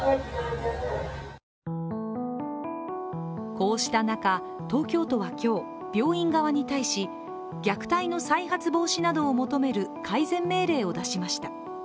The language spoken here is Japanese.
こうした中、東京都は今日、病院側に対し、虐待の再発防止などを求める改善命令を出しました。